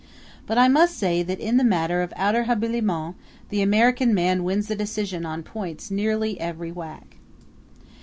But I must say that in the matter of outer habiliments the American man wins the decision on points nearly every whack.